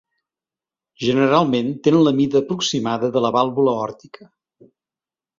Generalment tenen la mida aproximada de la vàlvula aòrtica.